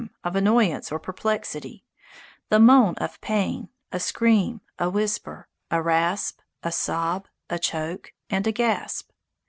of annoyance or perplexity, the moan of pain, a scream, a whisper, a rasp, a sob, a choke, and a gasp.